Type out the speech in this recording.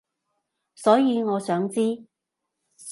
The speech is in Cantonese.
所以我想知